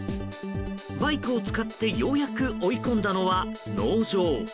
バイクを使ってようやく追い込んだのは、農場。